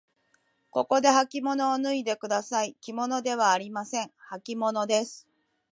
ここではきものを脱いでください。きものではありません。はきものです。